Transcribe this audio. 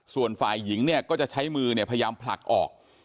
ส่วนฝ่ายหญิงก็จะใช้มือพยายามผลักออก